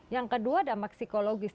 yang kedua dampak psikologis